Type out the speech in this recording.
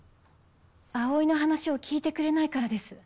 葵の話を聞いてくれないからです。